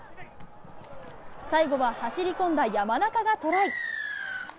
最後は走り込んだ山中がトライ。